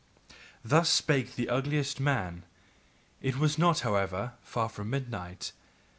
'" Thus spake the ugliest man; it was not, however, far from midnight.